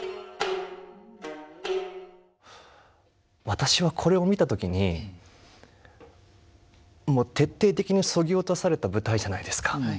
私はこれを見た時にもう徹底的にそぎ落とされた舞台じゃないですか。